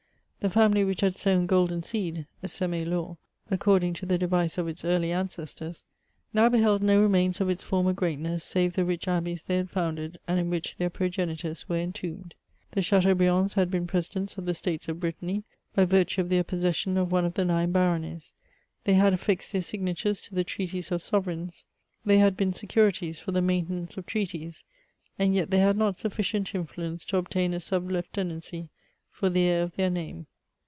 The family ' which had sown golden seed (sem^ For) according to the device of its early ancestors, now beheld no remains of its former greatness, save the rich Abbeys they had founded, and in which their progenitors were entombed. . The Cha teaubriands had been Presidents of the States of Britanny, by virtue of their possession of one of the nine Baronies ; they had affixed their signatures to the treaties of sovereigns ; they had been securities for the maintenance of treaties ; and yet ' they had not sufficient influence to obtain a sub lieutenancv for the heir of their name.